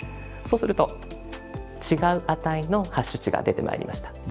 そうすると違う値のハッシュ値が出てまいりました。